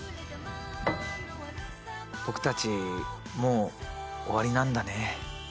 僕たちもう終わりなんだね。